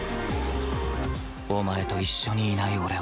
お前と一緒にいない俺を